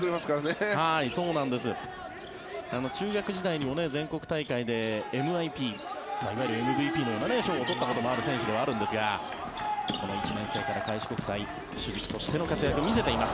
中学時代にも全国大会でＭＩＰＭＶＰに当たる賞を取ったこともある選手なんですがこの１年生から開志国際主軸としての活躍を見せています。